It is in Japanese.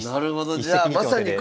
なるほど。